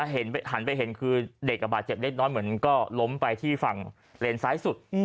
หันไปเห็นคือเด็กบาดเจ็บเล็กน้อยเหมือนก็ล้มไปที่ฝั่งเลนซ้ายสุด